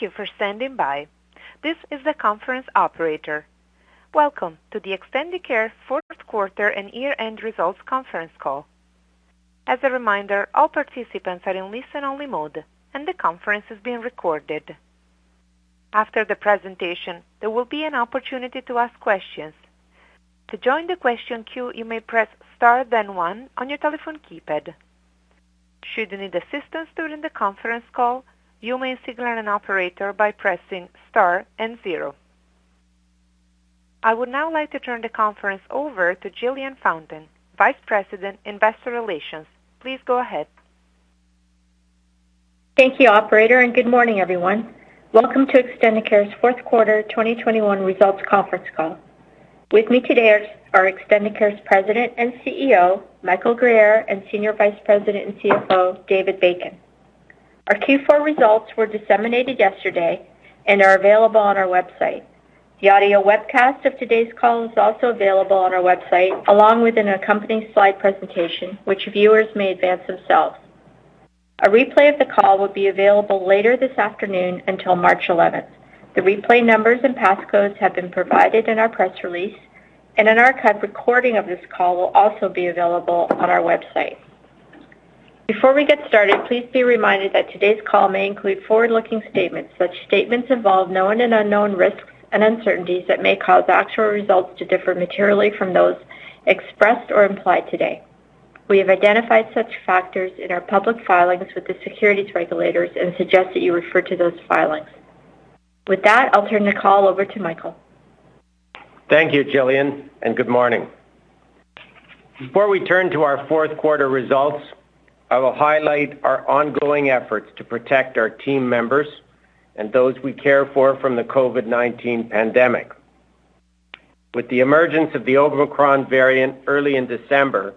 Thank you for standing by. This is the conference operator. Welcome to the Extendicare fourth quarter and year-end results conference call. As a reminder, all participants are in listen-only mode, and the conference is being recorded. After the presentation, there will be an opportunity to ask questions. To join the question queue, you may press star then one on your telephone keypad. Should you need assistance during the conference call, you may signal an operator by pressing star and zero. I would now like to turn the conference over to Jillian Fountain, Vice President, Investor Relations. Please go ahead. Thank you, operator, and good morning, everyone. Welcome to Extendicare's fourth quarter 2021 results conference call. With me today are Extendicare's President and CEO, Michael Guerriere, and Senior Vice President and CFO, David Bacon. Our Q4 results were disseminated yesterday and are available on our website. The audio webcast of today's call is also available on our website, along with an accompanying slide presentation, which viewers may advance themselves. A replay of the call will be available later this afternoon until March 11. The replay numbers and passcodes have been provided in our press release, and an archived recording of this call will also be available on our website. Before we get started, please be reminded that today's call may include forward-looking statements. Such statements involve known and unknown risks and uncertainties that may cause actual results to differ materially from those expressed or implied today. We have identified such factors in our public filings with the securities regulators and suggest that you refer to those filings. With that, I'll turn the call over to Michael. Thank you, Jillian, and good morning. Before we turn to our fourth quarter results, I will highlight our ongoing efforts to protect our team members and those we care for from the COVID-19 pandemic. With the emergence of the Omicron variant early in December,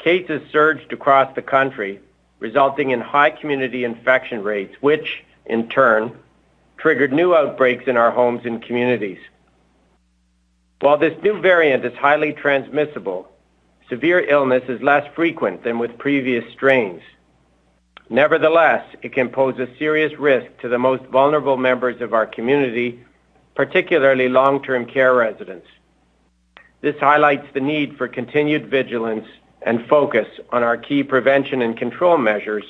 cases surged across the country, resulting in high community infection rates, which in turn triggered new outbreaks in our homes and communities. While this new variant is highly transmissible, severe illness is less frequent than with previous strains. Nevertheless, it can pose a serious risk to the most vulnerable members of our community, particularly long-term care residents. This highlights the need for continued vigilance and focus on our key prevention and control measures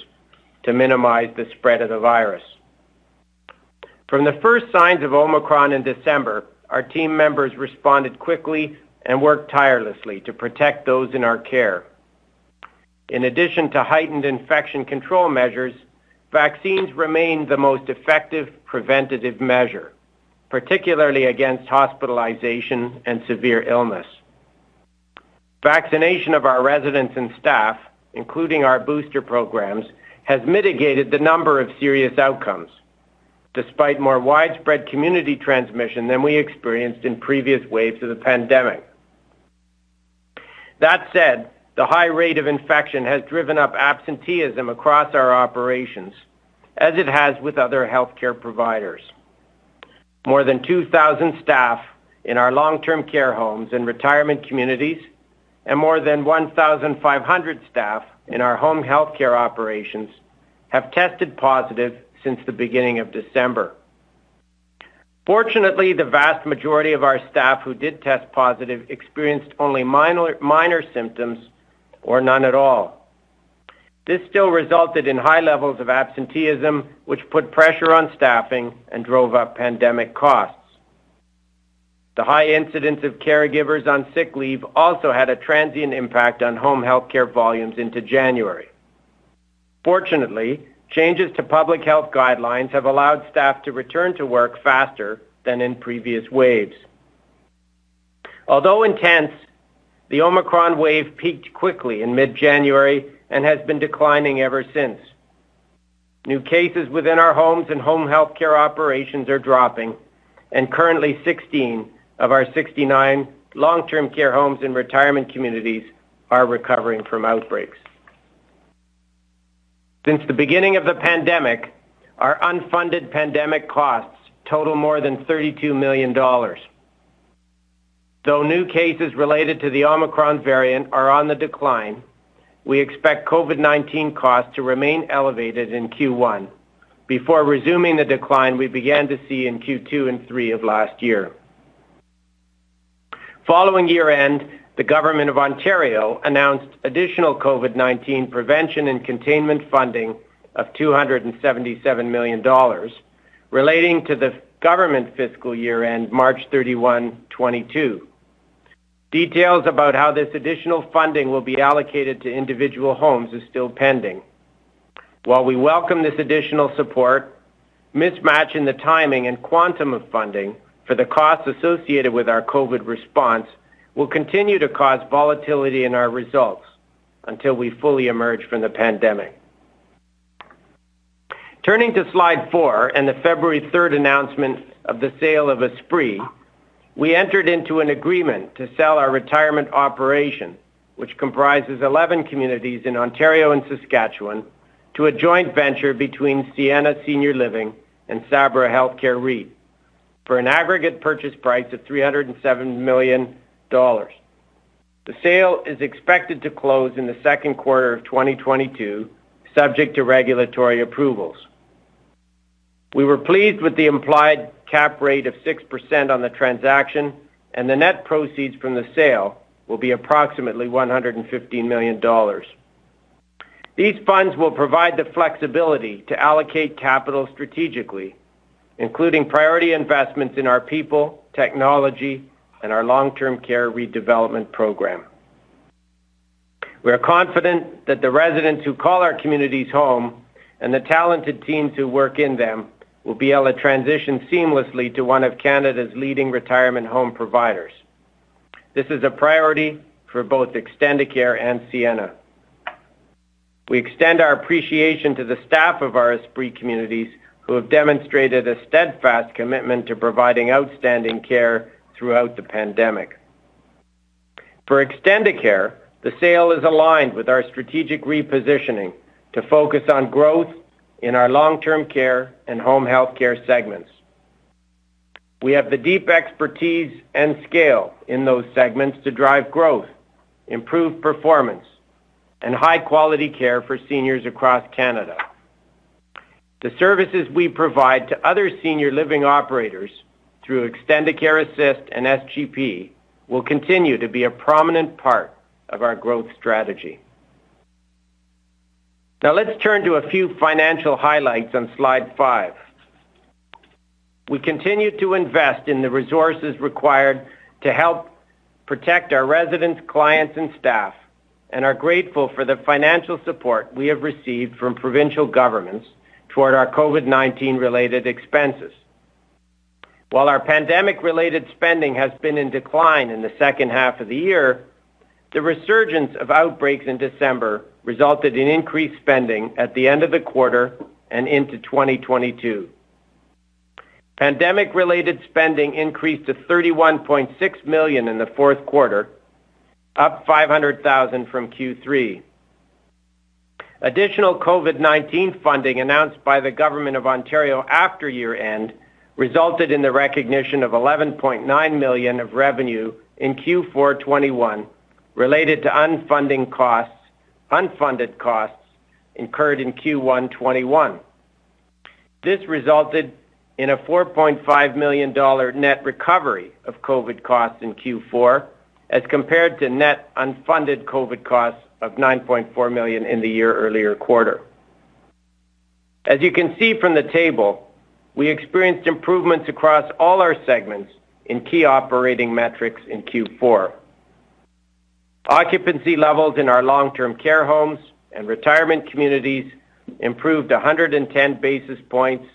to minimize the spread of the virus. From the first signs of Omicron in December, our team members responded quickly and worked tirelessly to protect those in our care. In addition to heightened infection control measures, vaccines remain the most effective preventative measure, particularly against hospitalization and severe illness. Vaccination of our residents and staff, including our booster programs, has mitigated the number of serious outcomes despite more widespread community transmission than we experienced in previous waves of the pandemic. That said, the high rate of infection has driven up absenteeism across our operations, as it has with other healthcare providers. More than 2,000 staff in our long-term care homes and retirement communities, and more than 1,500 staff in our home healthcare operations have tested positive since the beginning of December. Fortunately, the vast majority of our staff who did test positive experienced only minor symptoms or none at all. This still resulted in high levels of absenteeism, which put pressure on staffing and drove up pandemic costs. The high incidence of caregivers on sick leave also had a transient impact on home health care volumes into January. Fortunately, changes to public health guidelines have allowed staff to return to work faster than in previous waves. Although intense, the Omicron wave peaked quickly in mid-January and has been declining ever since. New cases within our homes and home health care operations are dropping, and currently 16 of our 69 long-term care homes and retirement communities are recovering from outbreaks. Since the beginning of the pandemic, our unfunded pandemic costs total more than 32 million dollars. Though new cases related to the Omicron variant are on the decline, we expect COVID-19 costs to remain elevated in Q1 before resuming the decline we began to see in Q2 and Q3 of last year. Following year-end, the Government of Ontario announced additional COVID-19 prevention and containment funding of 277 million dollars relating to the government fiscal year-end, March 31, 2022. Details about how this additional funding will be allocated to individual homes is still pending. While we welcome this additional support, mismatch in the timing and quantum of funding for the costs associated with our COVID response will continue to cause volatility in our results until we fully emerge from the pandemic. Turning to slide four and the February 3 announcement of the sale of Esprit, we entered into an agreement to sell our retirement operation, which comprises 11 communities in Ontario and Saskatchewan, to a joint venture between Sienna Senior Living and Sabra Health Care REIT for an aggregate purchase price of 307 million dollars. The sale is expected to close in the second quarter of 2022, subject to regulatory approvals. We were pleased with the implied cap rate of 6% on the transaction, and the net proceeds from the sale will be approximately 150 million dollars. These funds will provide the flexibility to allocate capital strategically, including priority investments in our people, technology, and our long-term care redevelopment program. We are confident that the residents who call our communities home and the talented teams who work in them will be able to transition seamlessly to one of Canada's leading retirement home providers. This is a priority for both Extendicare and Sienna. We extend our appreciation to the staff of our Esprit communities who have demonstrated a steadfast commitment to providing outstanding care throughout the pandemic. For Extendicare, the sale is aligned with our strategic repositioning to focus on growth in our long-term care and home health care segments. We have the deep expertise and scale in those segments to drive growth, improve performance, and high-quality care for seniors across Canada. The services we provide to other senior living operators through Extendicare Assist and SGP will continue to be a prominent part of our growth strategy. Now let's turn to a few financial highlights on slide five. We continue to invest in the resources required to help protect our residents, clients, and staff and are grateful for the financial support we have received from provincial governments toward our COVID-19 related expenses. While our pandemic-related spending has been in decline in the second half of the year, the resurgence of outbreaks in December resulted in increased spending at the end of the quarter and into 2022. Pandemic-related spending increased to 31.6 million in the fourth quarter, up 500,000 from Q3. Additional COVID-19 funding announced by the Government of Ontario after year-end resulted in the recognition of 11.9 million of revenue in Q4 2021 related to unfunded costs incurred in Q1 2021. This resulted in a 4.5 million dollar net recovery of COVID costs in Q4 as compared to net unfunded COVID costs of 9.4 million in the year earlier quarter. As you can see from the table, we experienced improvements across all our segments in key operating metrics in Q4. Occupancy levels in our long-term care homes and retirement communities improved 110 basis points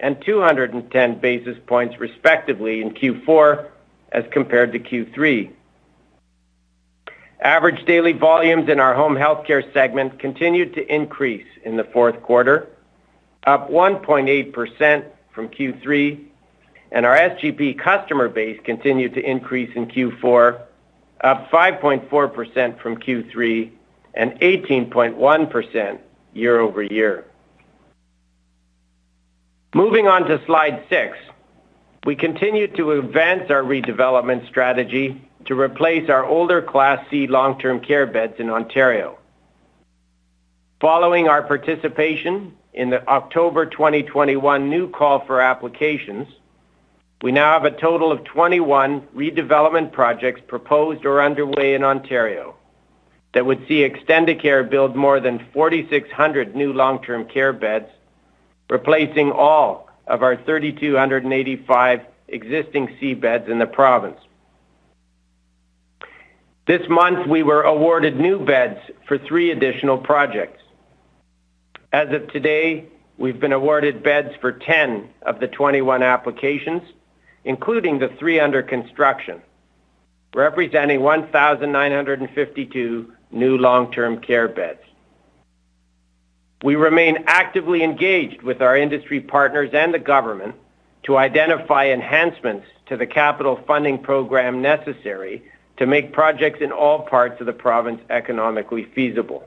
and 210 basis points, respectively, in Q4 as compared to Q3. Average daily volumes in our home health care segment continued to increase in the fourth quarter, up 1.8% from Q3, and our SGP customer base continued to increase in Q4, up 5.4% from Q3 and 18.1% year-over-year. Moving on to slide six, we continue to advance our redevelopment strategy to replace our older Class C long-term care beds in Ontario. Following our participation in the October 2021 new call for applications, we now have a total of 21 redevelopment projects proposed or underway in Ontario that would see Extendicare build more than 4,600 new long-term care beds, replacing all of our 3,285 existing C beds in the province. This month, we were awarded new beds for three additional projects. As of today, we've been awarded beds for 10 of the 21 applications, including the three under construction, representing 1,952 new long-term care beds. We remain actively engaged with our industry partners and the government to identify enhancements to the capital funding program necessary to make projects in all parts of the province economically feasible.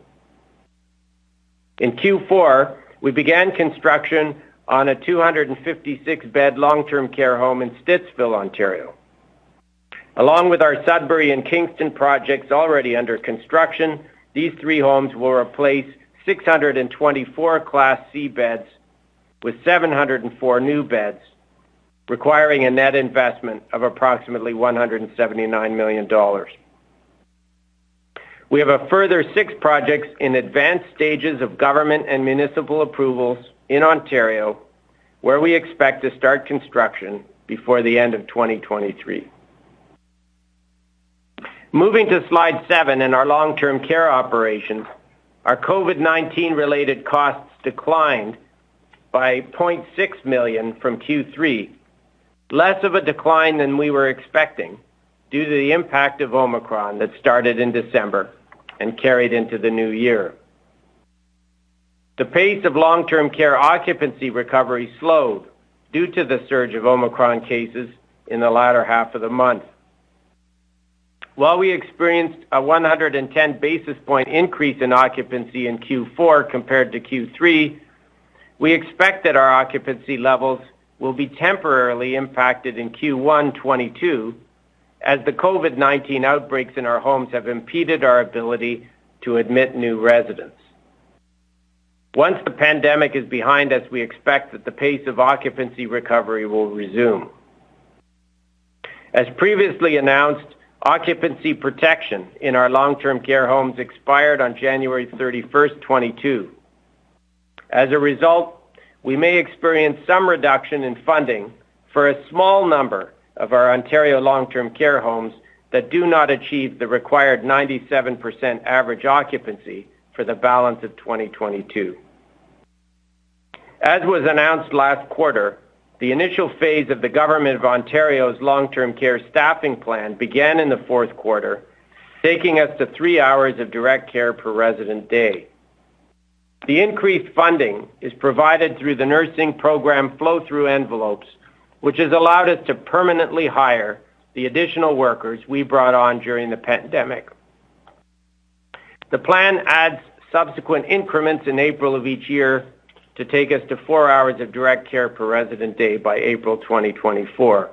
In Q4, we began construction on a 256-bed long-term care home in Stittsville, Ontario. Along with our Sudbury and Kingston projects already under construction, these three homes will replace 624 Class C beds with 704 new beds, requiring a net investment of approximately 179 million dollars. We have a further six projects in advanced stages of government and municipal approvals in Ontario, where we expect to start construction before the end of 2023. Moving to slide seven in our long-term care operations, our COVID-19 related costs declined by 0.6 million from Q3, less of a decline than we were expecting due to the impact of Omicron that started in December and carried into the new year. The pace of long-term care occupancy recovery slowed due to the surge of Omicron cases in the latter half of the month. While we experienced a 110 basis point increase in occupancy in Q4 compared to Q3. We expect that our occupancy levels will be temporarily impacted in Q1 2022 as the COVID-19 outbreaks in our homes have impeded our ability to admit new residents. Once the pandemic is behind us, we expect that the pace of occupancy recovery will resume. As previously announced, occupancy protection in our long-term care homes expired on January 31, 2022. As a result, we may experience some reduction in funding for a small number of our Ontario long-term care homes that do not achieve the required 97% average occupancy for the balance of 2022. As was announced last quarter, the initial phase of the Government of Ontario's Long-Term Care Staffing Plan began in the fourth quarter, taking us to three hours of direct care per resident day. The increased funding is provided through the nursing program flow-through envelopes, which has allowed us to permanently hire the additional workers we brought on during the pandemic. The plan adds subsequent increments in April of each year to take us to four hours of direct care per resident day by April 2024.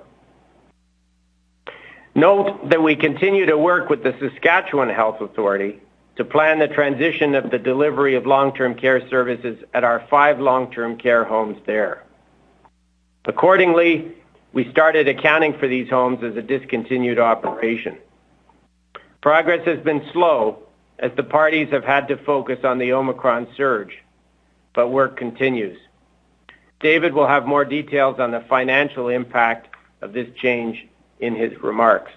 Note that we continue to work with the Saskatchewan Health Authority to plan the transition of the delivery of long-term care services at our five long-term care homes there. Accordingly, we started accounting for these homes as a discontinued operation. Progress has been slow as the parties have had to focus on the Omicron surge, but work continues. David will have more details on the financial impact of this change in his remarks.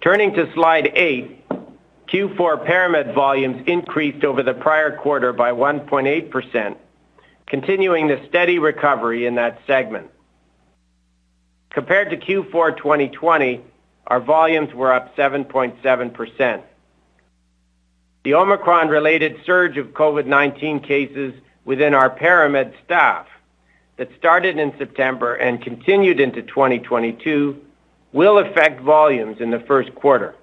Turning to slide eight, Q4 ParaMed volumes increased over the prior quarter by 1.8%, continuing the steady recovery in that segment. Compared to Q4 2020, our volumes were up 7.7%. The Omicron-related surge of COVID-19 cases within our ParaMed staff that started in September and continued into 2022 will affect volumes in the first quarter.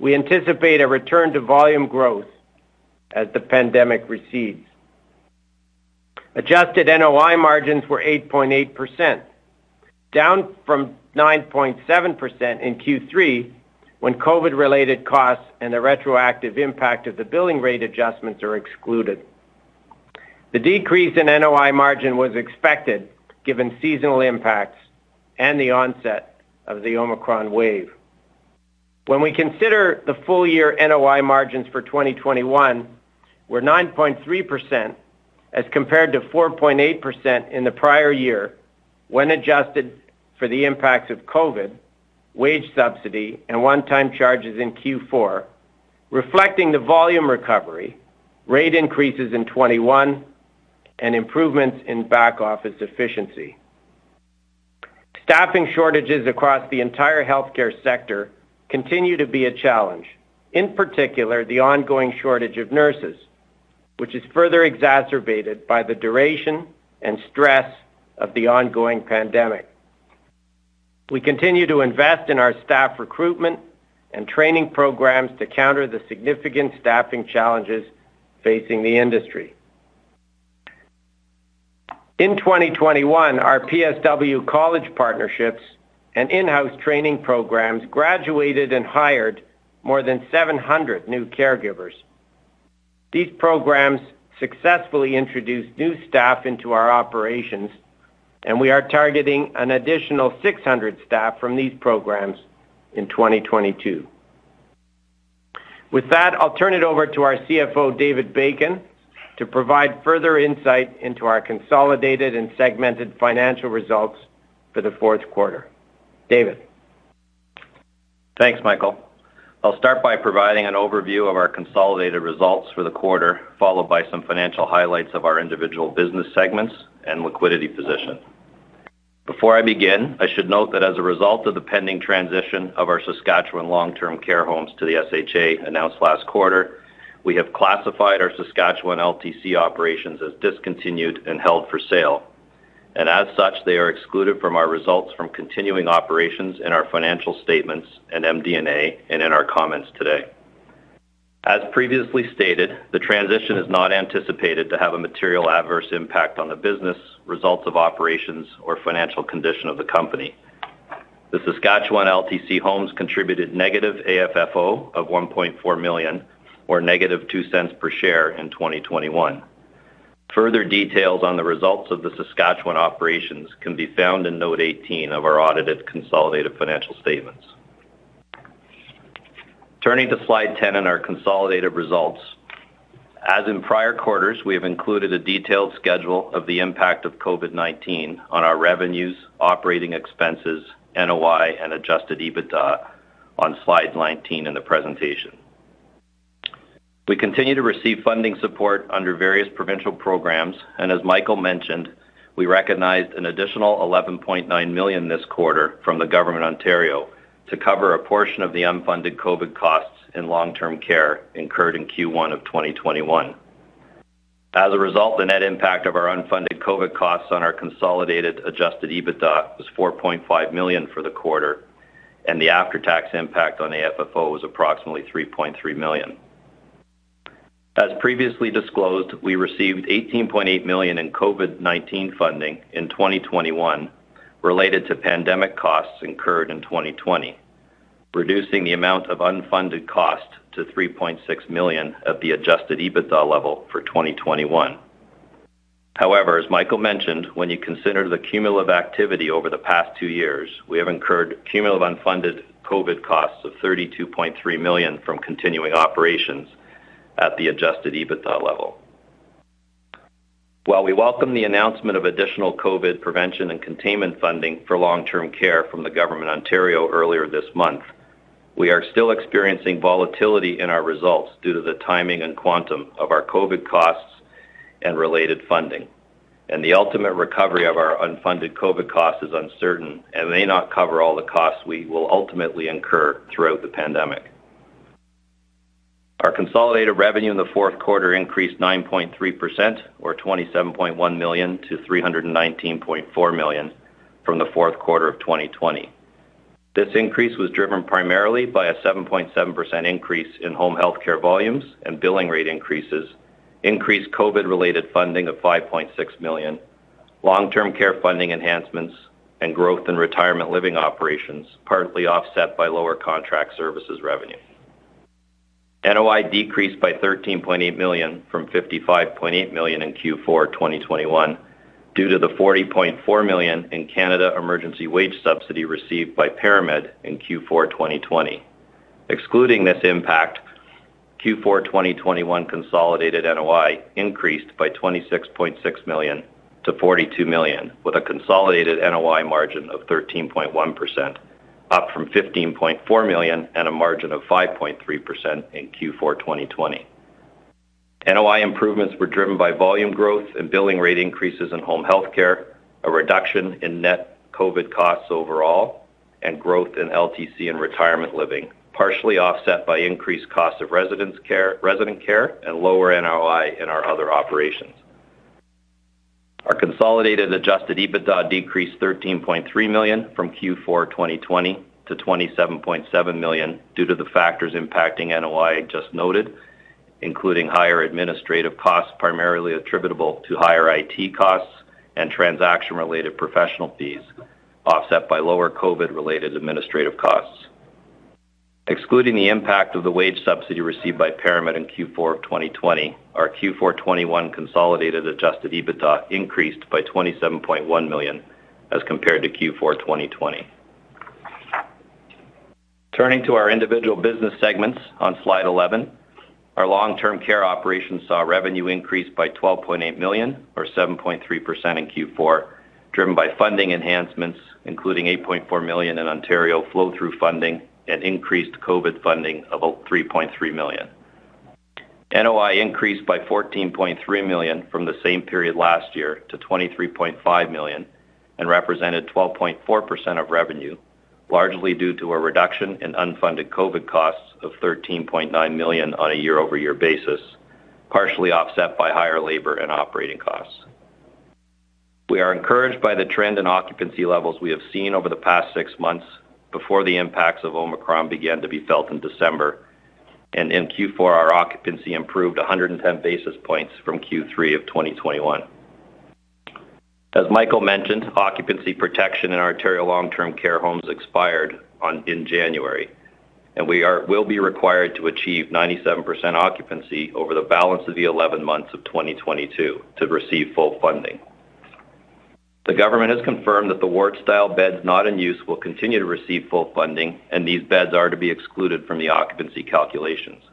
We anticipate a return to volume growth as the pandemic recedes. Adjusted NOI margins were 8.8%, down from 9.7% in Q3 when COVID-related costs and the retroactive impact of the billing rate adjustments are excluded. The decrease in NOI margin was expected given seasonal impacts and the onset of the Omicron wave. When we consider the full year NOI margins for 2021 were 9.3% as compared to 4.8% in the prior year when adjusted for the impacts of COVID, wage subsidy and one-time charges in Q4, reflecting the volume recovery, rate increases in 2021 and improvements in back-office efficiency. Staffing shortages across the entire healthcare sector continue to be a challenge, in particular, the ongoing shortage of nurses, which is further exacerbated by the duration and stress of the ongoing pandemic. We continue to invest in our staff recruitment and training programs to counter the significant staffing challenges facing the industry. In 2021, our PSW college partnerships and in-house training programs graduated and hired more than 700 new caregivers. These programs successfully introduced new staff into our operations, and we are targeting an additional 600 staff from these programs in 2022. With that, I'll turn it over to our CFO, David Bacon, to provide further insight into our consolidated and segmented financial results for the fourth quarter. David? Thanks, Michael. I'll start by providing an overview of our consolidated results for the quarter, followed by some financial highlights of our individual business segments and liquidity position. Before I begin, I should note that as a result of the pending transition of our Saskatchewan long-term care homes to the SHA announced last quarter, we have classified our Saskatchewan LTC operations as discontinued and held for sale. As such, they are excluded from our results from continuing operations in our financial statements and MD&A and in our comments today. As previously stated, the transition is not anticipated to have a material adverse impact on the business, results of operations or financial condition of the company. The Saskatchewan LTC homes contributed negative AFFO of 1.4 million or negative 0.02 per share in 2021. Further details on the results of the Saskatchewan operations can be found in Note 18 of our audited consolidated financial statements. Turning to slide 10 in our consolidated results. As in prior quarters, we have included a detailed schedule of the impact of COVID-19 on our revenues, operating expenses, NOI, and adjusted EBITDA on slide 19 in the presentation. We continue to receive funding support under various provincial programs, and as Michael mentioned, we recognized an additional 11.9 million this quarter from the Government of Ontario to cover a portion of the unfunded COVID costs in long-term care incurred in Q1 of 2021. As a result, the net impact of our unfunded COVID costs on our consolidated adjusted EBITDA was 4.5 million for the quarter. The after-tax impact on AFFO was approximately 3.3 million. As previously disclosed, we received 18.8 million in COVID-19 funding in 2021 related to pandemic costs incurred in 2020, reducing the amount of unfunded cost to 3.6 million at the adjusted EBITDA level for 2021. However, as Michael mentioned, when you consider the cumulative activity over the past two years, we have incurred cumulative unfunded COVID costs of CAD 32.3 million from continuing operations at the adjusted EBITDA level. While we welcome the announcement of additional COVID prevention and containment funding for long-term care from the Government of Ontario earlier this month, we are still experiencing volatility in our results due to the timing and quantum of our COVID costs and related funding. The ultimate recovery of our unfunded COVID costs is uncertain and may not cover all the costs we will ultimately incur throughout the pandemic. Our consolidated revenue in the fourth quarter increased 9.3% or 27.1 million to 319.4 million from the fourth quarter of 2020. This increase was driven primarily by a 7.7% increase in home health care volumes and billing rate increases, increased COVID-related funding of 5.6 million, long-term care funding enhancements, and growth in retirement living operations, partly offset by lower contract services revenue. NOI decreased by 13.8 million from 55.8 million in Q4 2021 due to the 40.4 million in Canada Emergency Wage Subsidy received by ParaMed in Q4 2020. Excluding this impact, Q4 2021 consolidated NOI increased by 26.6 million to 42 million, with a consolidated NOI margin of 13.1%, up from 15.4 million and a margin of 5.3% in Q4 2020. NOI improvements were driven by volume growth and billing rate increases in home health care, a reduction in net COVID costs overall, and growth in LTC and retirement living, partially offset by increased costs of residence care, resident care, and lower NOI in our other operations. Our consolidated adjusted EBITDA decreased CAD 13.3 million from Q4 2020 to CAD 27.7 million due to the factors impacting NOI just noted, including higher administrative costs primarily attributable to higher IT costs and transaction-related professional fees, offset by lower COVID-related administrative costs. Excluding the impact of the wage subsidy received by ParaMed in Q4 of 2020, our Q4 2021 consolidated adjusted EBITDA increased by 27.1 million as compared to Q4 2020. Turning to our individual business segments on slide 11. Our long-term care operations saw revenue increase by 12.8 million or 7.3% in Q4, driven by funding enhancements, including 8.4 million in Ontario flow-through funding and increased COVID funding of 3.3 million. NOI increased by 14.3 million from the same period last year to 23.5 million and represented 12.4% of revenue, largely due to a reduction in unfunded COVID costs of 13.9 million on a year-over-year basis, partially offset by higher labor and operating costs. We are encouraged by the trend in occupancy levels we have seen over the past six months before the impacts of Omicron began to be felt in December. In Q4, our occupancy improved 110 basis points from Q3 of 2021. As Michael mentioned, occupancy protection in Ontario long-term care homes expired in January, and we will be required to achieve 97% occupancy over the balance of the 11 months of 2022 to receive full funding. The government has confirmed that the ward-style beds not in use will continue to receive full funding, and these beds are to be excluded from the occupancy calculations.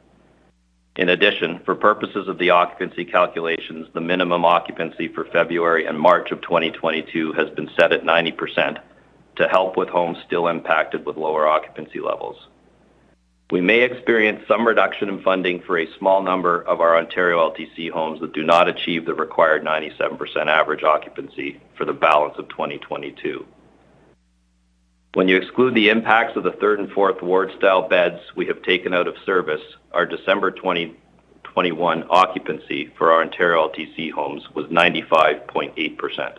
In addition, for purposes of the occupancy calculations, the minimum occupancy for February and March of 2022 has been set at 90% to help with homes still impacted with lower occupancy levels. We may experience some reduction in funding for a small number of our Ontario LTC homes that do not achieve the required 97% average occupancy for the balance of 2022. When you exclude the impacts of the third and fourth ward-style beds we have taken out of service, our December 2021 occupancy for our Ontario LTC homes was 95.8%.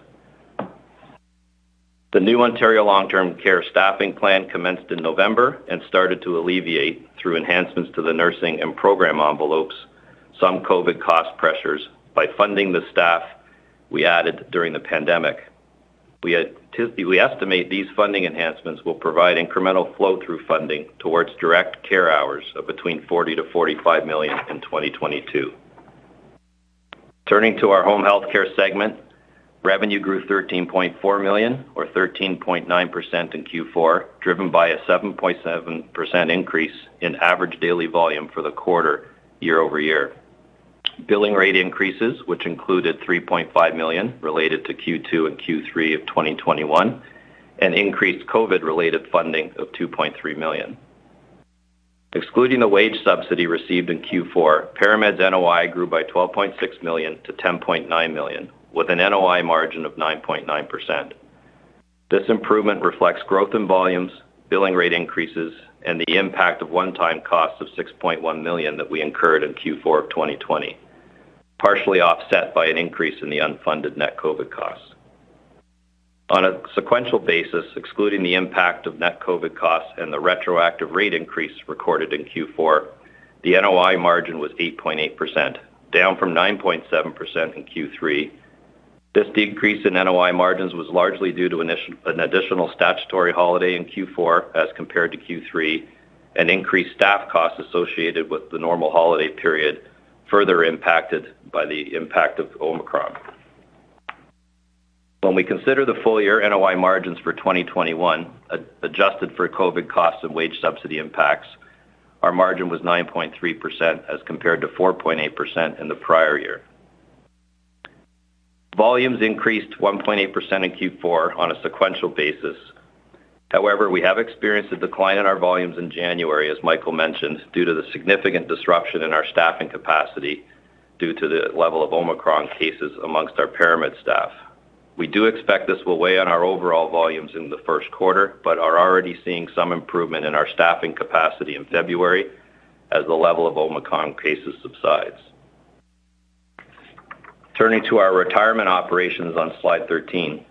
The new Ontario long-term care staffing plan commenced in November and started to alleviate, through enhancements to the nursing and program envelopes, some COVID cost pressures by funding the staff we added during the pandemic. We estimate these funding enhancements will provide incremental flow-through funding towards direct care hours of between 40 million-45 million in 2022. Turning to our home health care segment, revenue grew 13.4 million or 13.9% in Q4, driven by a 7.7% increase in average daily volume for the quarter year-over-year. Billing rate increases, which included 3.5 million related to Q2 and Q3 of 2021, and increased COVID-related funding of 2.3 million. Excluding the wage subsidy received in Q4, ParaMed's NOI grew by 12.6 million to 10.9 million, with an NOI margin of 9.9%. This improvement reflects growth in volumes, billing rate increases, and the impact of one-time costs of 6.1 million that we incurred in Q4 of 2020 partially offset by an increase in the unfunded net COVID costs. On a sequential basis, excluding the impact of net COVID costs and the retroactive rate increase recorded in Q4, the NOI margin was 8.8%, down from 9.7% in Q3. This decrease in NOI margins was largely due to an additional statutory holiday in Q4 as compared to Q3, and increased staff costs associated with the normal holiday period, further impacted by the impact of Omicron. When we consider the full year NOI margins for 2021, adjusted for COVID costs and wage subsidy impacts, our margin was 9.3% as compared to 4.8% in the prior year. Volumes increased 1.8% in Q4 on a sequential basis. However, we have experienced a decline in our volumes in January, as Michael mentioned, due to the significant disruption in our staffing capacity due to the level of Omicron cases amongst our ParaMed staff. We do expect this will weigh on our overall volumes in the first quarter, but are already seeing some improvement in our staffing capacity in February as the level of Omicron cases subsides. Turning to our retirement operations on slide 13.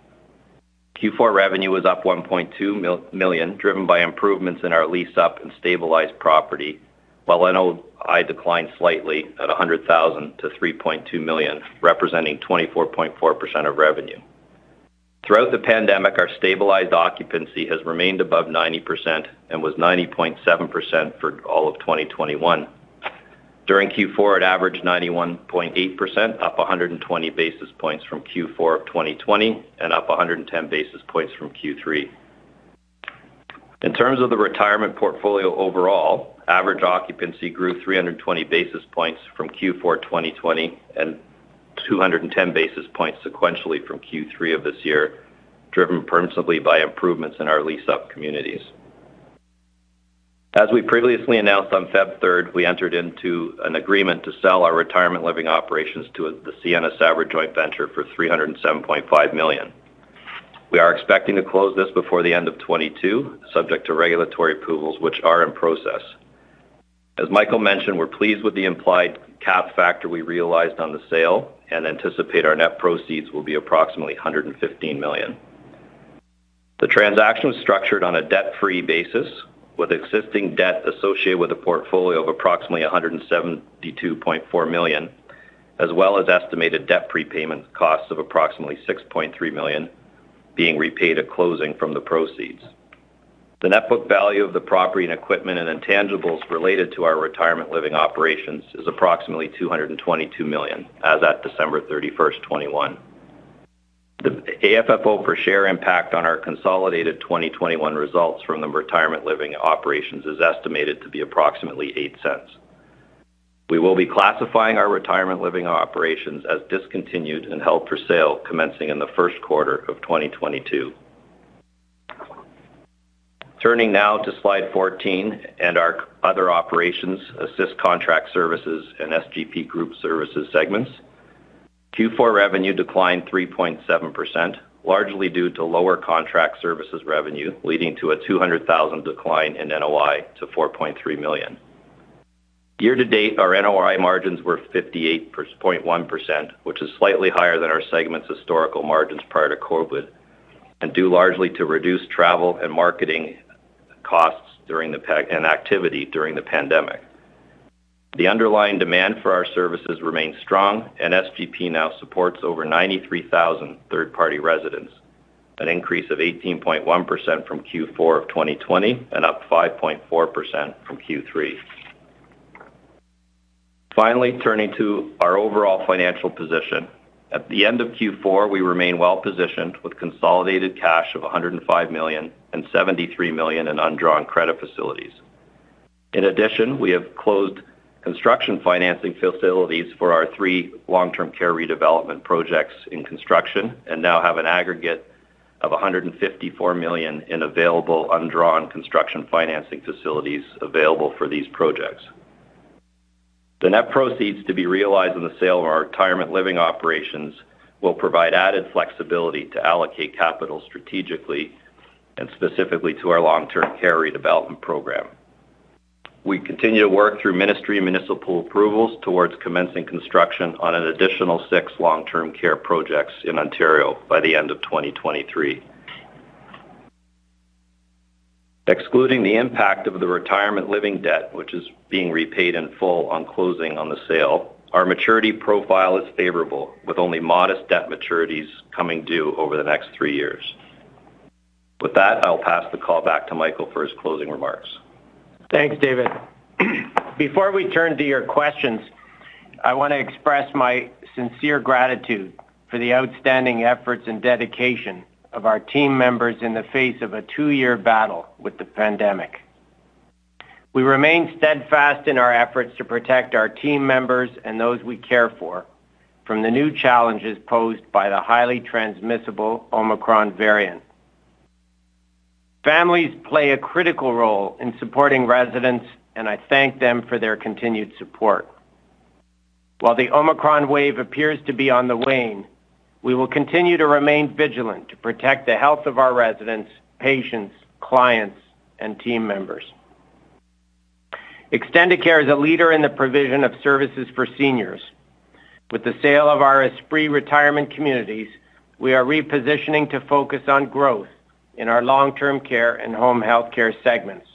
Q4 revenue was up 1.2 million, driven by improvements in our leased-up and stabilized property. While NOI declined slightly by 100,000 to 3.2 million, representing 24.4% of revenue. Throughout the pandemic, our stabilized occupancy has remained above 90% and was 90.7% for all of 2021. During Q4, it averaged 91.8%, up 120 basis points from Q4 of 2020 and up 110 basis points from Q3. In terms of the retirement portfolio overall, average occupancy grew 320 basis points from Q4 2020 and 210 basis points sequentially from Q3 of this year, driven principally by improvements in our leased-up communities. We previously announced on February 3, we entered into an agreement to sell our retirement living operations to the Sienna Sabra Joint Venture for 307.5 million. We are expecting to close this before the end of 2022, subject to regulatory approvals which are in process. As Michael mentioned, we're pleased with the implied cap rate we realized on the sale and anticipate our net proceeds will be approximately 115 million. The transaction was structured on a debt-free basis with existing debt associated with a portfolio of approximately 172.4 million, as well as estimated debt prepayment costs of approximately 6.3 million being repaid at closing from the proceeds. The net book value of the property and equipment and intangibles related to our retirement living operations is approximately 222 million as at December 31, 2021. The AFFO per share impact on our consolidated 2021 results from the retirement living operations is estimated to be approximately 0.08. We will be classifying our retirement living operations as discontinued and held for sale commencing in the first quarter of 2022. Turning now to slide 14 and our other operations, Assist Contract Services and SGP Group Services segments. Q4 revenue declined 3.7%, largely due to lower contract services revenue, leading to a 200,000 decline in NOI to 4.3 million. Year-to-date, our NOI margins were 58.1%, which is slightly higher than our segment's historical margins prior to COVID, and due largely to reduced travel and marketing costs during the pandemic. The underlying demand for our services remains strong, and SGP now supports over 93,000 third-party residents, an increase of 18.1% from Q4 of 2020 and up 5.4% from Q3. Finally, turning to our overall financial position. At the end of Q4, we remain well positioned with consolidated cash of 105 million and 73 million in undrawn credit facilities. In addition, we have closed construction financing facilities for our three long-term care redevelopment projects in construction and now have an aggregate of 154 million in available undrawn construction financing facilities available for these projects. The net proceeds to be realized in the sale of our retirement living operations will provide added flexibility to allocate capital strategically and specifically to our long-term care redevelopment program. We continue to work through ministry and municipal approvals towards commencing construction on an additional six long-term care projects in Ontario by the end of 2023. Excluding the impact of the retirement living debt, which is being repaid in full on closing on the sale, our maturity profile is favorable, with only modest debt maturities coming due over the next three years. With that, I'll pass the call back to Michael for his closing remarks. Thanks, David. Before we turn to your questions, I want to express my sincere gratitude for the outstanding efforts and dedication of our team members in the face of a two-year battle with the pandemic. We remain steadfast in our efforts to protect our team members and those we care for from the new challenges posed by the highly transmissible Omicron variant. Families play a critical role in supporting residents, and I thank them for their continued support. While the Omicron wave appears to be on the wane, we will continue to remain vigilant to protect the health of our residents, patients, clients, and team members. Extendicare is a leader in the provision of services for seniors. With the sale of our Esprit retirement communities, we are repositioning to focus on growth in our long-term care and home health care segments.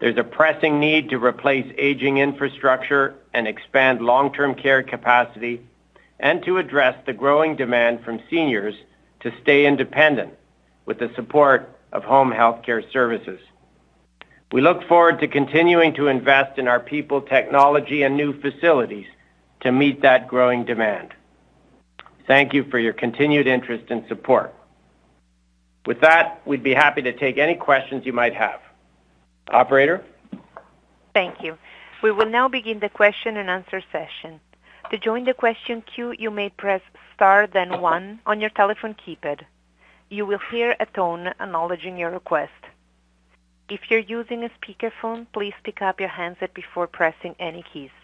There's a pressing need to replace aging infrastructure and expand long-term care capacity and to address the growing demand from seniors to stay independent with the support of home health care services. We look forward to continuing to invest in our people, technology, and new facilities to meet that growing demand. Thank you for your continued interest and support. With that, we'd be happy to take any questions you might have. Operator? Thank you. We will now begin the question and answer session. To join the question queue, you may press star then one on your telephone keypad. You will hear a tone acknowledging your request. If you're using a speakerphone, please pick up your handset before pressing any keys.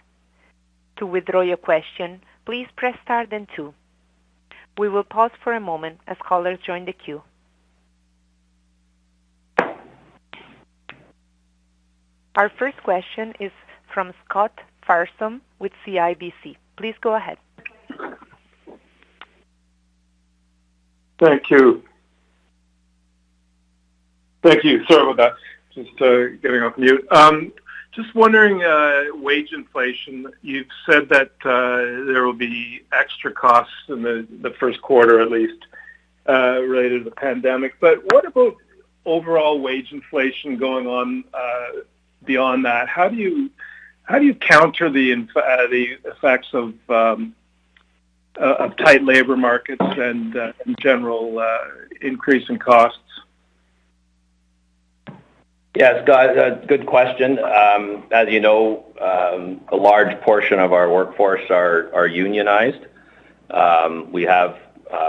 To withdraw your question, please press star then two. We will pause for a moment as callers join the queue. Our first question is from Scott Fromson with CIBC. Please go ahead. Thank you. Sorry about that. Just getting off mute. Just wondering, wage inflation. You've said that there will be extra costs in the first quarter at least, related to the pandemic. What about overall wage inflation going on beyond that? How do you counter the effects of tight labor markets and in general increase in costs? Yes, Scott, a good question. As you know, a large portion of our workforce are unionized. We have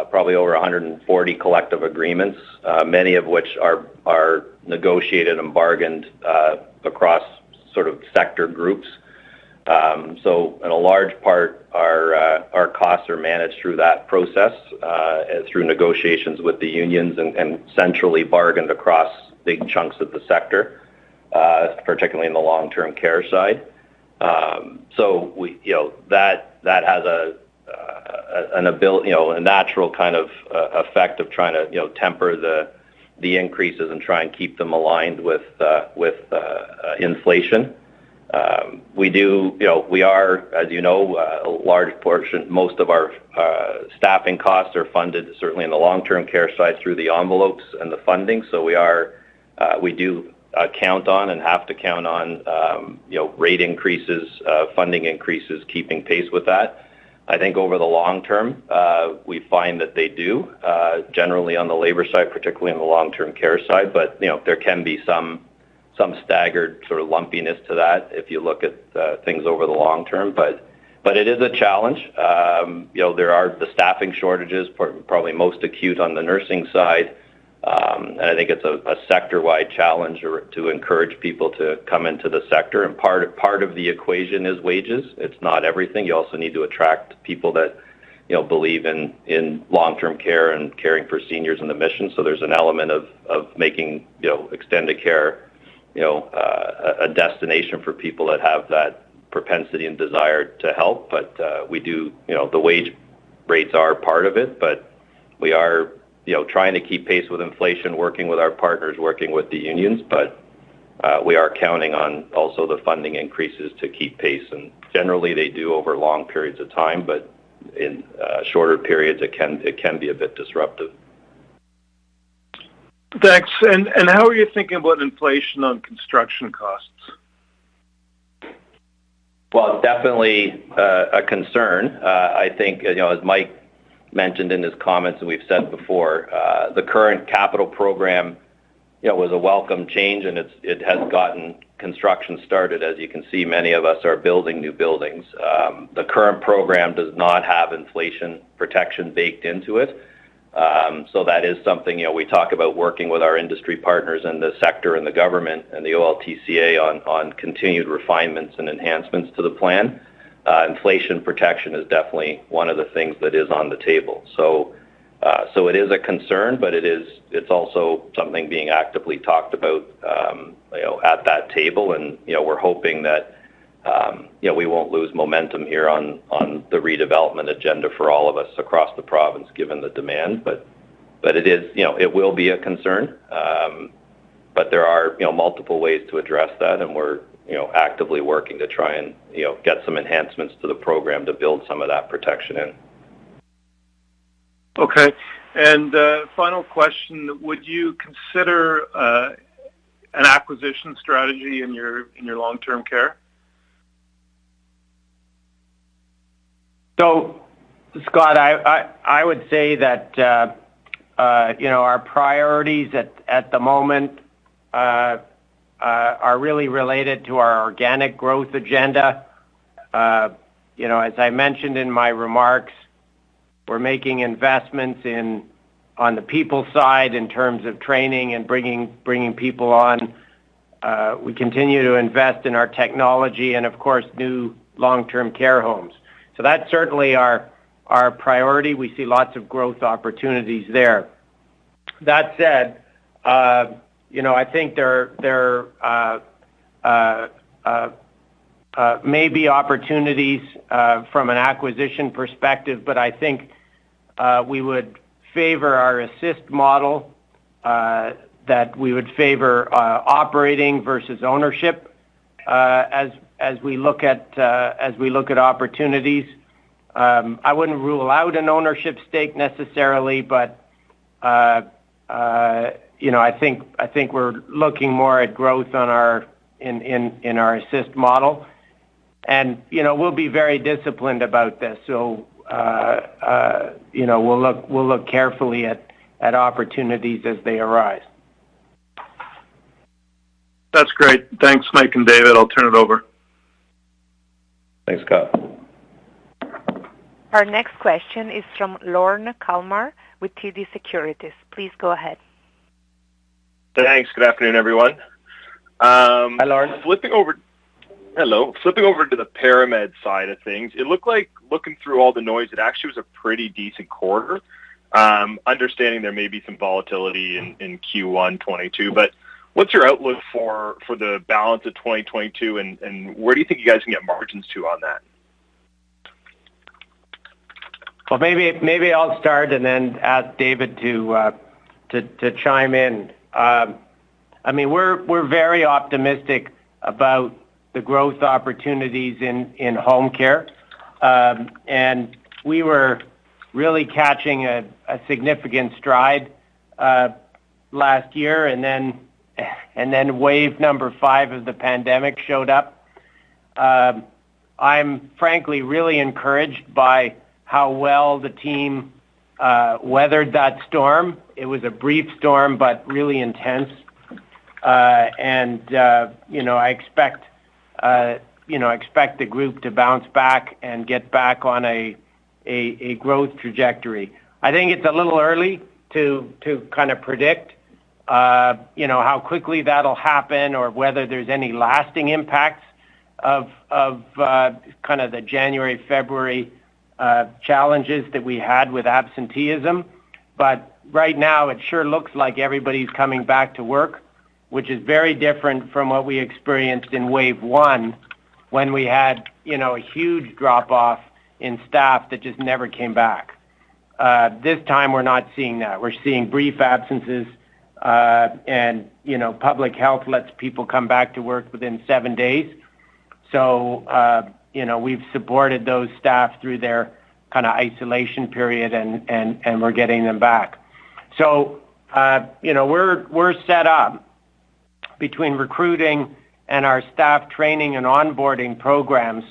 probably over 140 collective agreements, many of which are negotiated and bargained across sort of sector groups. In a large part, our costs are managed through that process, through negotiations with the unions and centrally bargained across big chunks of the sector, particularly in the long-term care side. We, you know, that has a natural kind of effect of trying to, you know, temper the increases and try and keep them aligned with inflation. We do, you know, we are, as you know, a large portion, most of our staffing costs are funded, certainly in the long-term care side, through the envelopes and the funding. We do count on and have to count on, you know, rate increases, funding increases, keeping pace with that. I think over the long term, we find that they do generally on the labor side, particularly in the long-term care side. You know, there can be some staggered sort of lumpiness to that if you look at things over the long term. It is a challenge. You know, there are the staffing shortages probably most acute on the nursing side. I think it's a sector-wide challenge or to encourage people to come into the sector. Part of the equation is wages. It's not everything. You also need to attract people that, you know, believe in long-term care and caring for seniors and the mission. There's an element of making, you know, Extendicare, you know, a destination for people that have that propensity and desire to help. We do, you know, the wage rates are part of it, but we are, you know, trying to keep pace with inflation, working with our partners, working with the unions. We are counting on also the funding increases to keep pace. Generally, they do over long periods of time, but in shorter periods, it can be a bit disruptive. Thanks. How are you thinking about inflation on construction costs? Well, definitely a concern. I think, you know, as Mike mentioned in his comments and we've said before, the current capital program, you know, was a welcome change, and it has gotten construction started. As you can see, many of us are building new buildings. The current program does not have inflation protection baked into it. So that is something, you know, we talk about working with our industry partners in the sector and the government and the OLTCA on continued refinements and enhancements to the plan. Inflation protection is definitely one of the things that is on the table. It is a concern, but it is also something being actively talked about, you know, at that table. You know, we're hoping that, you know, we won't lose momentum here on the redevelopment agenda for all of us across the province, given the demand. But it is, you know, it will be a concern. There are, you know, multiple ways to address that, and we're, you know, actively working to try and, you know, get some enhancements to the program to build some of that protection in. Okay. Final question, would you consider an acquisition strategy in your long-term care? Scott, I would say that, you know, our priorities at the moment are really related to our organic growth agenda. You know, as I mentioned in my remarks, we're making investments on the people side in terms of training and bringing people on. We continue to invest in our technology and, of course, new long-term care homes. That's certainly our priority. We see lots of growth opportunities there. That said, you know, I think there may be opportunities from an acquisition perspective, but I think we would favor our Assist model operating versus ownership. As we look at opportunities, I wouldn't rule out an ownership stake necessarily, but you know, I think we're looking more at growth in our Assist model. You know, we'll be very disciplined about this. You know, we'll look carefully at opportunities as they arise. That's great. Thanks, Mike and David. I'll turn it over. Thanks, Scott. Our next question is from Lorne Kalmar with TD Securities. Please go ahead. Thanks. Good afternoon, everyone. Hi, Lorne. Flipping over to the ParaMed side of things, it looked like looking through all the noise, it actually was a pretty decent quarter. Understanding there may be some volatility in Q1 2022, but what's your outlook for the balance of 2022, and where do you think you guys can get margins to on that? Well, maybe I'll start and then ask David to chime in. I mean, we're very optimistic about the growth opportunities in home care. We were really catching a significant stride last year, and then wave number five of the pandemic showed up. I'm frankly really encouraged by how well the team weathered that storm. It was a brief storm, but really intense. You know, I expect the group to bounce back and get back on a growth trajectory. I think it's a little early to kind of predict, you know, how quickly that'll happen or whether there's any lasting impacts of kind of the January, February challenges that we had with absenteeism. Right now, it sure looks like everybody's coming back to work, which is very different from what we experienced in wave one when we had, you know, a huge drop off in staff that just never came back. This time, we're not seeing that. We're seeing brief absences. And, you know, public health lets people come back to work within seven days. So, you know, we've supported those staff through their kinda isolation period, and we're getting them back. So, you know, we're set up between recruiting and our staff training and onboarding programs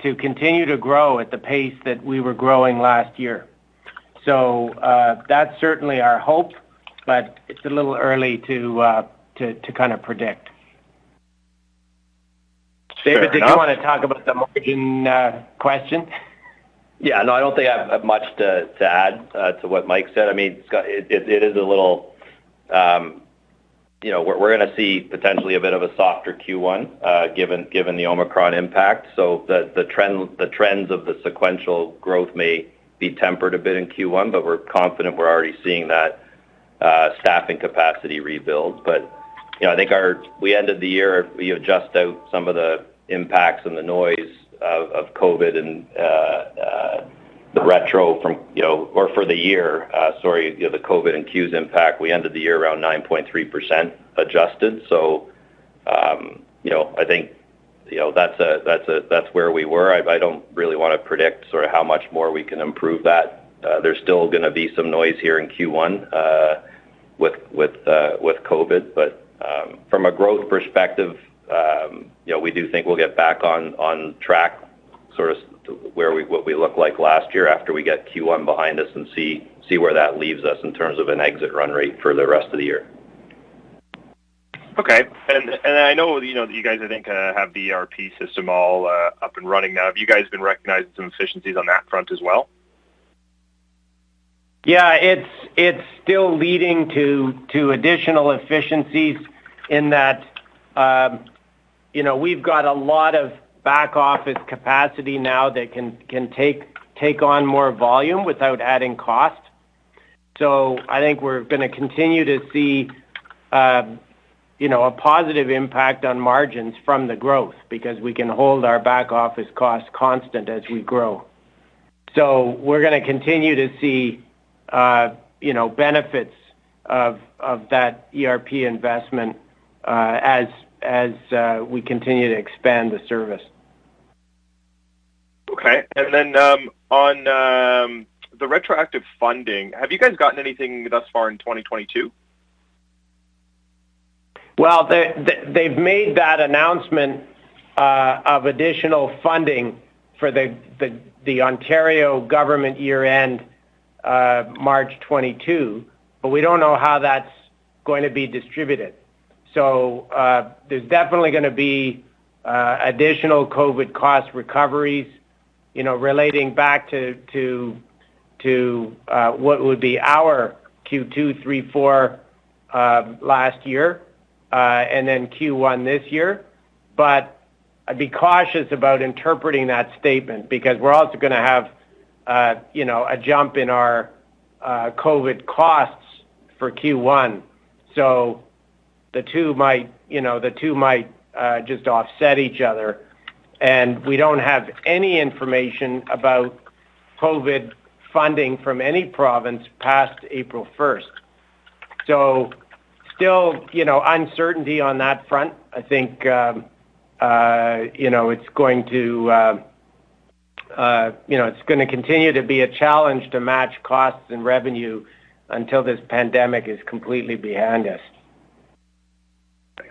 to continue to grow at the pace that we were growing last year. So, that's certainly our hope, but it's a little early to kind of predict. Fair enough. David, did you wanna talk about the margin, question? Yeah. No, I don't think I have much to add to what Mike said. I mean, it is a little, you know, we're gonna see potentially a bit of a softer Q1, given the Omicron impact. The trends of the sequential growth may be tempered a bit in Q1, but we're confident we're already seeing that, staffing capacity rebuild. You know, I think our We ended the year, you adjust out some of the impacts and the noise of COVID and the retro for the year, you know, the COVID and Q's impact. We ended the year around 9.3% adjusted. You know, I think, you know, that's where we were. I don't really wanna predict sort of how much more we can improve that. There's still gonna be some noise here in Q1 with COVID. From a growth perspective, you know, we do think we'll get back on track sort of to what we looked like last year after we get Q1 behind us and see where that leaves us in terms of an exit run rate for the rest of the year. Okay. I know, you know, that you guys, I think, have the ERP system all up and running now. Have you guys been recognizing some efficiencies on that front as well? Yeah. It's still leading to additional efficiencies in that, you know, we've got a lot of back office capacity now that can take on more volume without adding cost. I think we're gonna continue to see, you know, a positive impact on margins from the growth because we can hold our back office costs constant as we grow. We're gonna continue to see, you know, benefits of that ERP investment, as we continue to expand the service. Okay. On the retroactive funding, have you guys gotten anything thus far in 2022? Well, they've made that announcement of additional funding for the Ontario government year-end March 2022, but we don't know how that's going to be distributed. There's definitely gonna be additional COVID cost recoveries, you know, relating back to what would be our Q2, Q3, Q4 last year, and then Q1 this year. I'd be cautious about interpreting that statement because we're also gonna have, you know, a jump in our COVID costs for Q1. The two might, you know, just offset each other, and we don't have any information about COVID funding from any province past April 1. Still, you know, uncertainty on that front. I think, you know, it's gonna continue to be a challenge to match costs and revenue until this pandemic is completely behind us.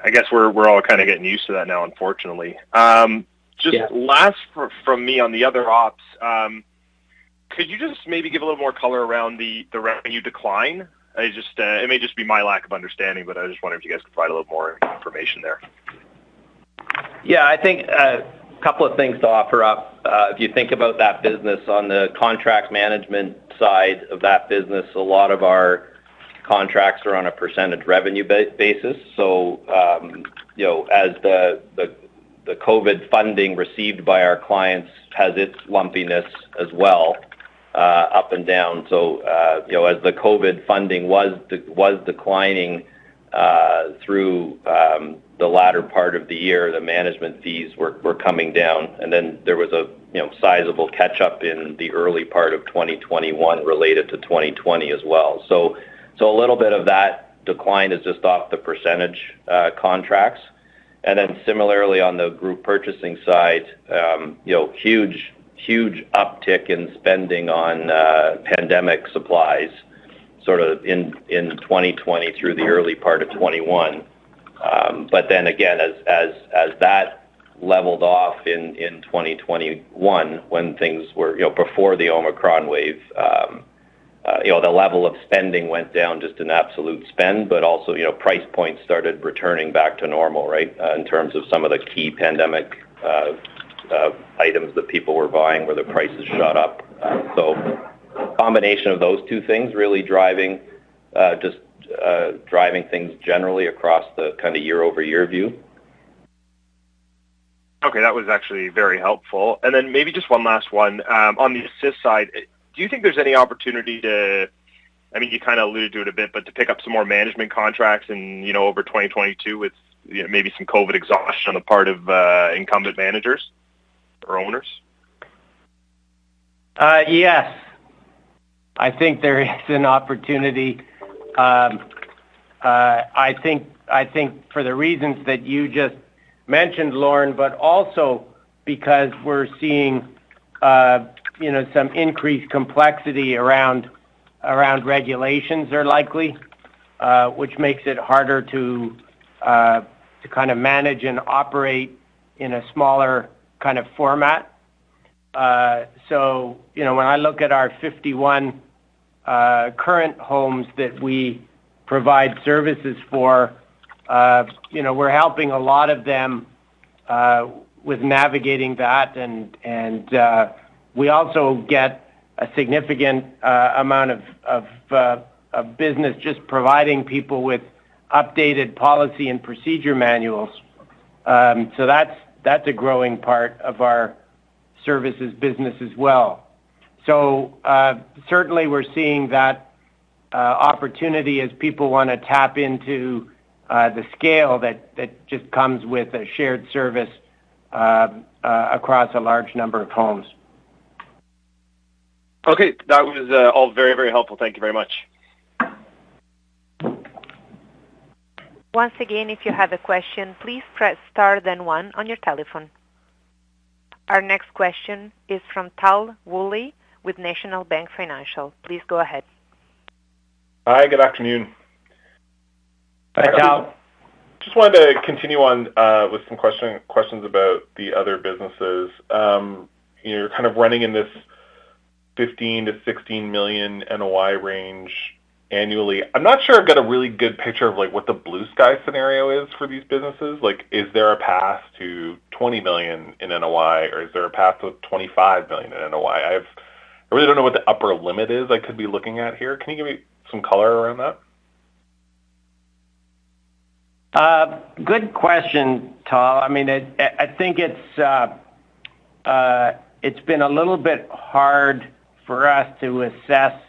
I guess we're all kinda getting used to that now, unfortunately. Yeah. Just one last from me on the other ops, could you just maybe give a little more color around the revenue decline? It may just be my lack of understanding, but I was just wondering if you guys could provide a little more information there. Yeah. I think a couple of things to offer up. If you think about that business on the contract management side of that business, a lot of our contracts are on a percentage revenue basis. You know, as the COVID funding received by our clients has its lumpiness as well, up and down. You know, as the COVID funding was declining through the latter part of the year, the management fees were coming down, and then there was a sizable catch-up in the early part of 2021 related to 2020 as well. You know, a little bit of that decline is just off the percentage contracts. Then similarly, on the group purchasing side, you know, huge uptick in spending on pandemic supplies, sort of in 2020 through the early part of 2021. As that leveled off in 2021 when things were you know, before the Omicron wave, you know, the level of spending went down just in absolute spend, but also, you know, price points started returning back to normal, right, in terms of some of the key pandemic items that people were buying, where the prices shot up. A combination of those two things really driving things generally across the kind of year-over-year view. Okay. That was actually very helpful. Maybe just one last one. On the assist side, do you think there's any opportunity to I mean, you kinda alluded to it a bit, but to pick up some more management contracts and, you know, over 2022 with, you know, maybe some COVID exhaustion on the part of incumbent managers or owners? Yes. I think there is an opportunity. I think for the reasons that you just mentioned, Lorne, but also because we're seeing, you know, some increased complexity around regulations are likely, which makes it harder to kind of manage and operate in a smaller kind of format. You know, when I look at our 51 current homes that we provide services for, you know, we're helping a lot of them with navigating that and we also get a significant amount of business just providing people with updated policy and procedure manuals. That's a growing part of our services business as well. Certainly we're seeing that opportunity as people wanna tap into the scale that just comes with a shared service across a large number of homes. Okay. That was all very, very helpful. Thank you very much. Once again, if you have a question, please press star then one on your telephone. Our next question is from Tal Woolley with National Bank Financial. Please go ahead. Hi, good afternoon. Hi, Tal. Just wanted to continue on with some questions about the other businesses. You're kind of running in this 15 million-16 million NOI range annually. I'm not sure I've got a really good picture of, like, what the blue sky scenario is for these businesses. Like, is there a path to 20 million in NOI, or is there a path to 25 million in NOI? I really don't know what the upper limit is I could be looking at here. Can you give me some color around that? Good question, Tal. I mean, I think it's been a little bit hard for us to assess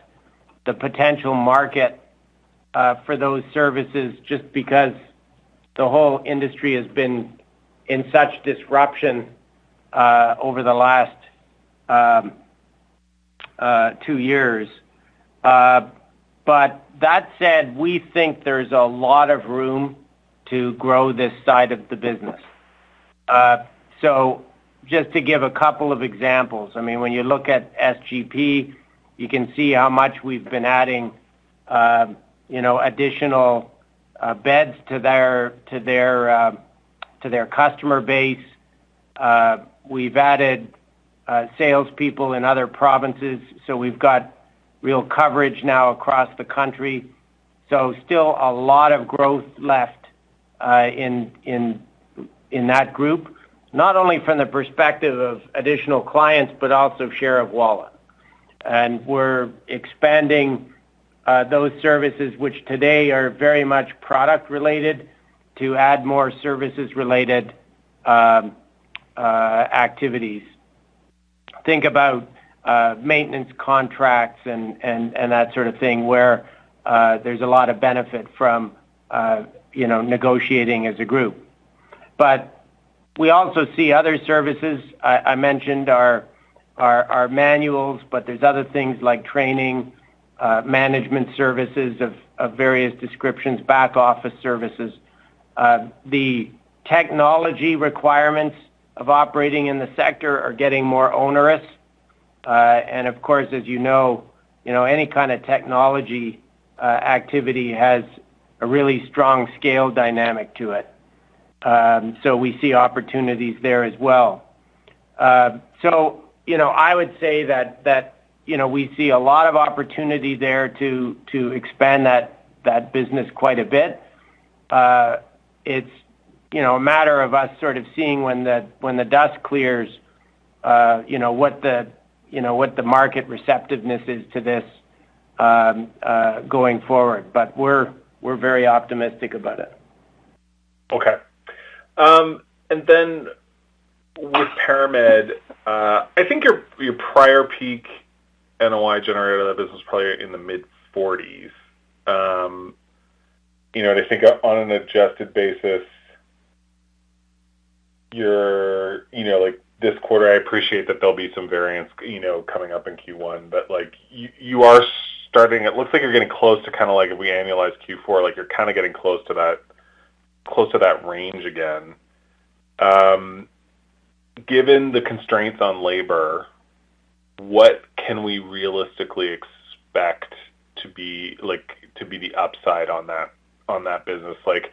the potential market for those services just because the whole industry has been in such disruption over the last two years. That said, we think there's a lot of room to grow this side of the business. Just to give a couple of examples, I mean, when you look at SGP, you can see how much we've been adding, you know, additional beds to their customer base. We've added salespeople in other provinces, so we've got real coverage now across the country. Still a lot of growth left in that group, not only from the perspective of additional clients, but also share of wallet. We're expanding those services which today are very much product related to add more services related activities. Think about maintenance contracts and that sort of thing, where there's a lot of benefit from you know, negotiating as a group. We also see other services. I mentioned our manuals, but there's other things like training, management services of various descriptions, back office services. The technology requirements of operating in the sector are getting more onerous. Of course, as you know, you know, any kind of technology activity has a really strong scale dynamic to it. We see opportunities there as well. You know, I would say that you know, we see a lot of opportunity there to expand that business quite a bit. It's you know, a matter of us sort of seeing when the dust clears, you know, what the market receptiveness is to this going forward. We're very optimistic about it. Okay. With ParaMed, I think your prior peak NOI generator, that business was probably in the mid-40s. You know, I think on an adjusted basis, you know, like, this quarter, I appreciate that there'll be some variance, you know, coming up in Q1. Like, it looks like you're getting close to kinda like if we annualize Q4, like, you're kinda getting close to that range again. Given the constraints on labor, what can we realistically expect to be the upside on that business? Like,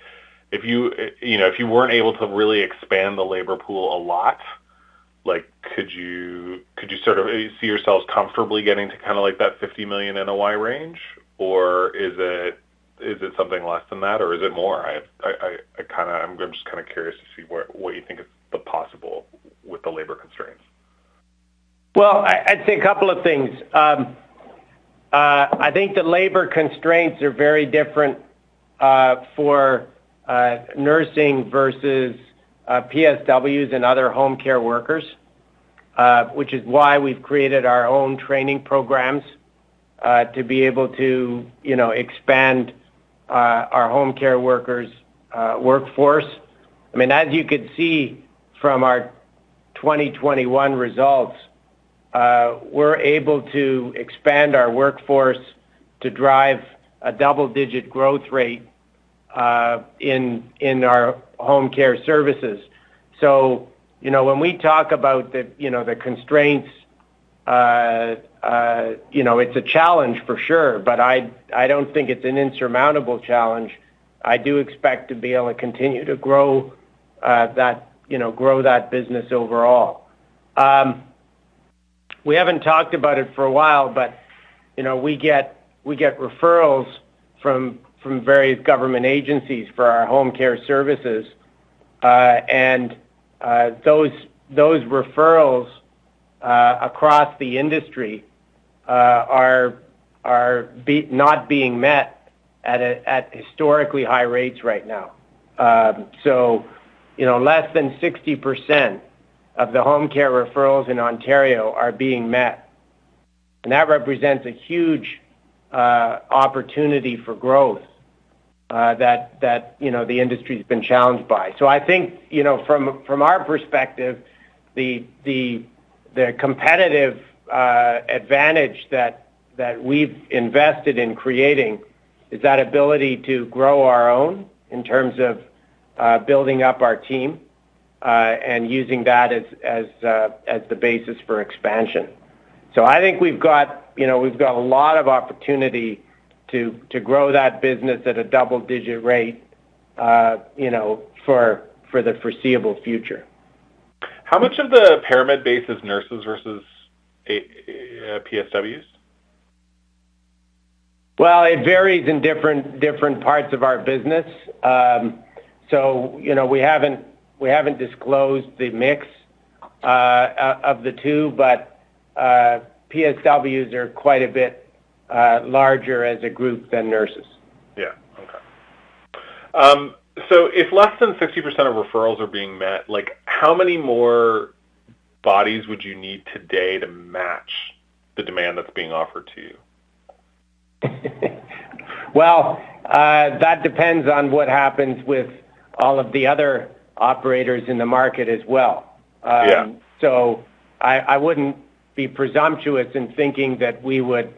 if you know, if you weren't able to really expand the labor pool a lot, like, could you sort of see yourselves comfortably getting to kinda like that 50 million NOI range? Is it something less than that, or is it more? I'm just kinda curious to see what you think is possible with the labor constraints. Well, I'd say a couple of things. I think the labor constraints are very different for nursing versus PSWs and other home care workers, which is why we've created our own training programs to be able to you know expand our home care workers' workforce. I mean, as you could see from our 2021 results, we're able to expand our workforce to drive a double-digit growth rate in our home care services. You know, when we talk about the you know the constraints, you know, it's a challenge for sure, but I don't think it's an insurmountable challenge. I do expect to be able to continue to grow that you know grow that business overall. We haven't talked about it for a while, but you know, we get referrals from various government agencies for our home care services. Those referrals across the industry are not being met at historically high rates right now. You know, less than 60% of the home care referrals in Ontario are being met, and that represents a huge opportunity for growth that you know, the industry's been challenged by. I think you know, from our perspective, the competitive advantage that we've invested in creating is that ability to grow our own in terms of building up our team and using that as the basis for expansion. I think we've got, you know, we've got a lot of opportunity to grow that business at a double-digit rate, you know, for the foreseeable future. How much of the ParaMed base is nurses versus PSWs? Well, it varies in different parts of our business. You know, we haven't disclosed the mix of the two, but PSWs are quite a bit larger as a group than nurses. Yeah. Okay. If less than 60% of referrals are being met, like, how many more bodies would you need today to match the demand that's being offered to you? Well, that depends on what happens with all of the other operators in the market as well. Yeah. I wouldn't be presumptuous in thinking that we would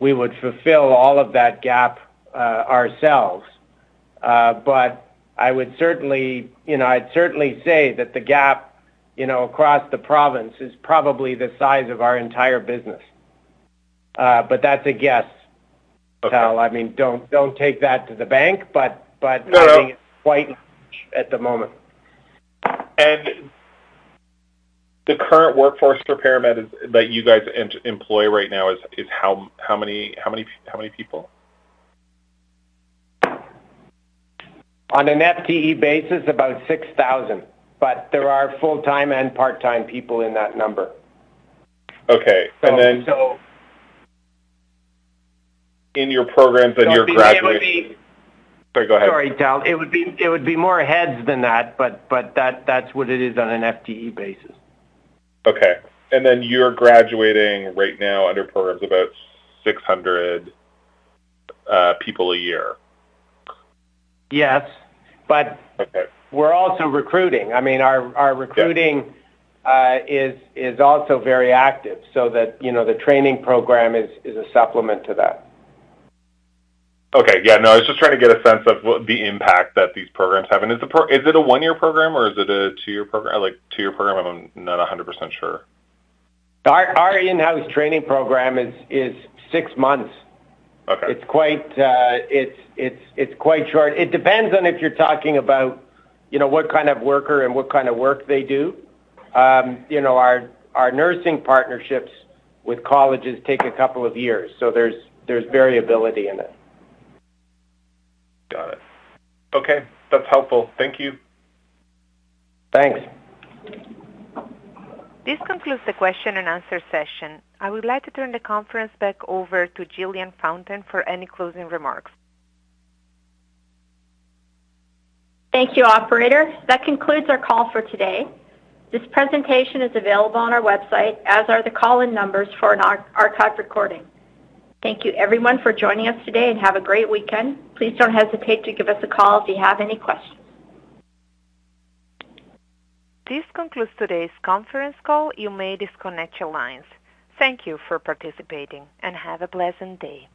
fulfill all of that gap, but I would certainly, you know, I'd certainly say that the gap, you know, across the province is probably the size of our entire business, but that's a guess, Tal. Okay. I mean, don't take that to the bank, but. No, no. I think it's quiet at the moment. The current workforce for ParaMed that you guys employ right now is how many people? On an FTE basis, about 6,000. But there are full-time and part-time people in that number. Okay. In your programs and your graduates.` Sorry, go ahead. Sorry, Tal. It would be more heads than that, but that's what it is on an FTE basis. Okay. You're graduating right now under programs about 600 people a year. Yes, but. Okay. We're also recruiting. I mean, our recruiting is also very active so that, you know, the training program is a supplement to that. Okay. Yeah. No, I was just trying to get a sense of what the impact that these programs have. Is it a one-year program or is it a two-year program? Like, two-year program, I'm not 100% sure. Our in-house training program is six months. Okay. It's quite short. It depends on if you're talking about, you know, what kind of worker and what kind of work they do. You know, our nursing partnerships with colleges take a couple of years, so there's variability in it. Got it. Okay. That's helpful. Thank you. Thanks. This concludes the question and answer session. I would like to turn the conference back over to Jillian Fountain for any closing remarks. Thank you, operator. That concludes our call for today. This presentation is available on our website, as are the call-in numbers for an archival recording. Thank you everyone for joining us today and have a great weekend. Please don't hesitate to give us a call if you have any questions. This concludes today's conference call. You may disconnect your lines. Thank you for participating and have a pleasant day.